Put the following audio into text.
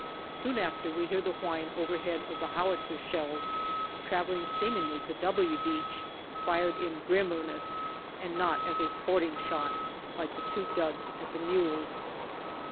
Soon after we hear the whine overhead of the howitzer shells, travelling seemingly to " W" Beach, fired in grim earnest and not as a sporting shot, like the two duds at the mules.